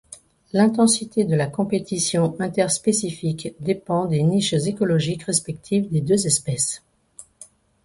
L'intensité de la compétition interspécifique dépend des niches écologique respectives des deux espèces.